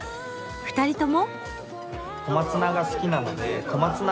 ２人とも。